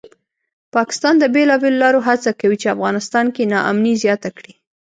پاکستان د بېلابېلو لارو هڅه کوي چې افغانستان کې ناامني زیاته کړي